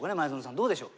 どうでしょう？